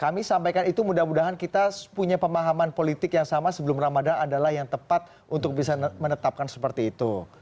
kami sampaikan itu mudah mudahan kita punya pemahaman politik yang sama sebelum ramadhan adalah yang tepat untuk bisa menetapkan seperti itu